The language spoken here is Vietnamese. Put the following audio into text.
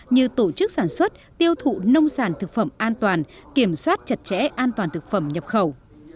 như tổ chức sản xuất tiêu thụ nông sản thực phẩm an toàn kiểm soát chặt chẽ an toàn thực phẩm nhập khẩu